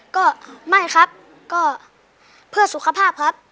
ก็ไม่ครับก็เพื่อสุขภาพครับ